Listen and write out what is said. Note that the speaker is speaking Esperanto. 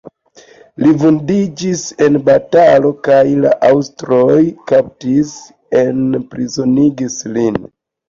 Li vundiĝis en batalo kaj la aŭstroj kaptis, enprizonigis lin.